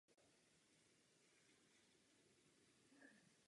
Od konce sedmnáctého století se zde usazovali Polští bratři a protestanté ze Slezska.